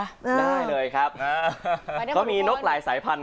ได้เลยครับเขามีนกหลายสายพันธ